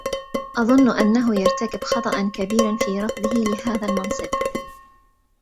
أظنّ أنّه يرتكب خطأ كبيرا في رفضه لهذا المنصب.